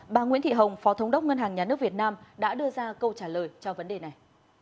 bà nguyễn thị hồng phó thống đốc ngân hàng nhà nước việt nam đã đưa ra câu trả lời cho vấn đề này